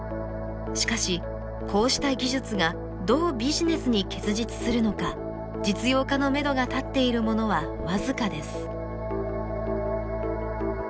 しかしこうした技術がどうビジネスに結実するのか実用化のめどが立っているものは僅かです。